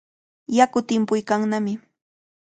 Yaku timpuykannami.